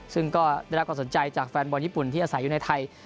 ซึ่งก็ได้รับความสนใจจากแฟนบอลญี่ปุ่นที่อาศัยอยู่ในไทย